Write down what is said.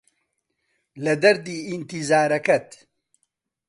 لە دەردی ئینتیزارەکەت